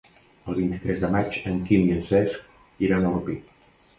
El vint-i-tres de maig en Quim i en Cesc iran a Orpí.